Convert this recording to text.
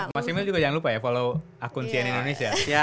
mas emil juga jangan lupa ya follow akun cnn indonesia